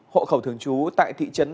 hội khẩu thường trú tại thị trấn